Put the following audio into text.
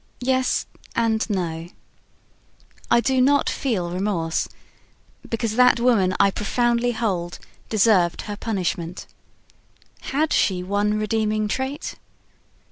Yes and no. I do not feel remorse, because that woman, I profoundly hold, deserved her punishment. Had she one redeeming trait?